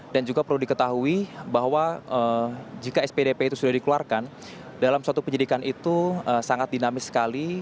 dan juga perlu diketahui bahwa jika spdp itu sudah dikeluarkan dalam suatu penyelidikan itu sangat dinamis sekali